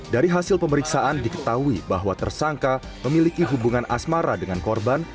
dari hasil pemeriksaan diketahui bahwa tersangka memiliki hubungan asmara dengan korban